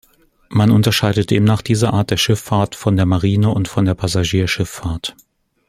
Man unterscheidet demnach diese Art der Schifffahrt von der Marine und von der Passagierschifffahrt.